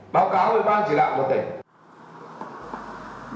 báo cáo với bang chỉ đạo của tỉnh